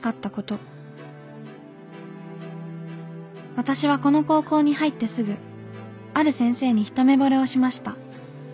「私はこの高校に入ってすぐある先生にひとめぼれをしました。